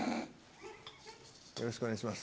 よろしくお願いします。